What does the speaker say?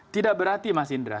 tidak berarti mas indra